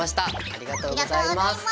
ありがとうございます。